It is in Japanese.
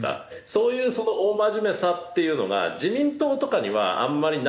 そういうその大真面目さっていうのが自民党とかにはあんまりないと思うんですよ。